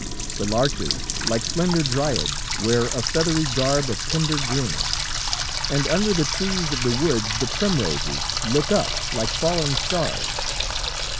The larches, like slender dryads, wear a feathery garb of tender green, and under the trees of the woods the primroses look up, like fallen stars.